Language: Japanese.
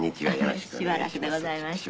しばらくでございました。